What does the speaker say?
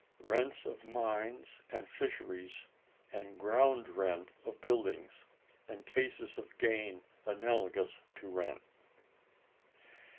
Rent of Mines and Fisheries and ground rent of Buildings, and cases of gain analogous to Rent.